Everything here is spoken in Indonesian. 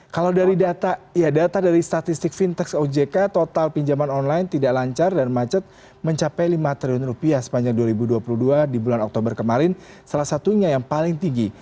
kalau dari data dari statistik fintech ojk total pinjaman online tidak lancar dan macet mencapai lima triliun rupiah sepanjang dua ribu dua puluh dua di bulan oktober kemarin salah satunya yang paling tinggi